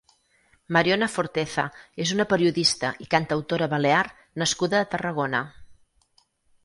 Mariona Forteza és una periodista i cantautora balear nascuda a Tarragona.